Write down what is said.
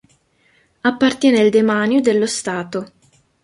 Appartiene al demanio dello Stato.